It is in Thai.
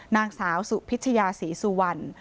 นางสาวสุพิจิญาสีซู่วัน